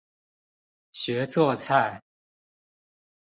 學做菜